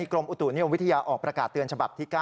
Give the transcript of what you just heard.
กรมอุตส่วนนี้วงฬวิทยาออกประกาศเตือนฉบับที่๙